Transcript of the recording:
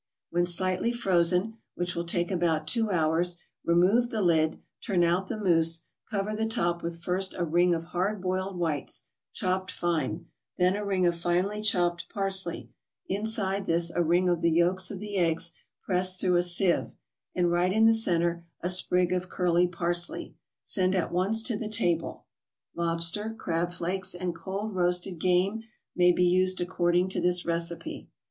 When slightly frozen, which will take about two hours, remove the lid, turn out the mousse, cover the top with first a ring of hard boiled whites, chopped fine, then a ring of finely chopped parsley, inside this a ring of the yolks of the eggs pressed through a sieve, and right in the centre a sprig of curly parsley. Send at once to the table. Lobster, crab flakes and cold roasted game may be used according to this recipe.